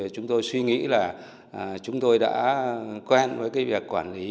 chúng tôi suy nghĩ là chúng tôi đã quen với cái việc quản lý